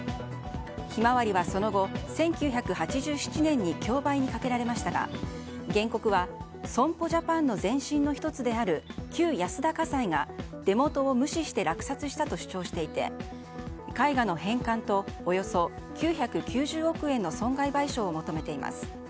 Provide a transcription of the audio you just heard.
「ひまわり」はその後、１９８７年に競売にかけられましたが原告は損保ジャパンの前身の１つである旧安田火災が出元を無視して落札したと主張していて絵画の返還とおよそ９９０億円の損害賠償を求めています。